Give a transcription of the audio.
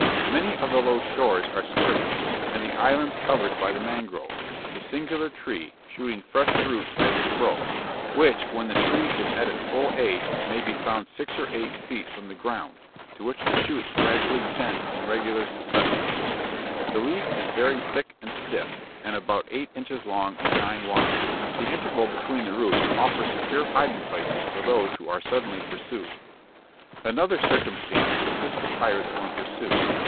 Many of the low shores are skirted, and the islands covered by the mangrove, a singular tree, shooting fresh roots as it grows, which, when the tree is at its full age, may be found six or eight feet from the ground, to which the shoots gradually tend in regular succession; the leaf is very thick and stiff and about eight inches long and nine wide, the interval between the roots offer secure hiding places for those who are suddenly pursued. Another circumstance assists the pirate when pursued.